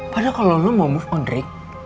padahal kalau lo mau move on rick